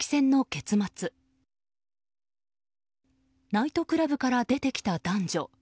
ナイトクラブから出てきた男女。